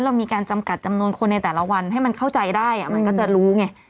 เรามีการจำกัดจำนวนคนในแต่ละวันให้มันเข้าใจได้มันก็จะรู้ไง